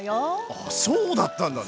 あっそうだったんだね！